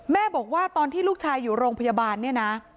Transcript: บอกว่าตอนที่ลูกชายอยู่โรงพยาบาลเนี่ยนะ